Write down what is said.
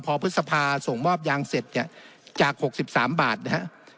พอพฤษภาส่งมอบยางเสร็จเนี่ยจาก๖๓บาทนะฮะ